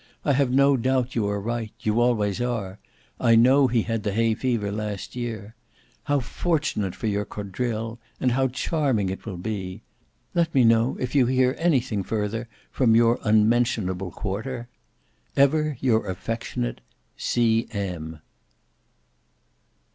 I have no doubt you are right: you always are: I know he had the hay fever last year. How fortunate for your quadrille, and how charming it will be! Let me know if you hear anything further from your unmentionable quarter. "Ever your affectionate "C.M."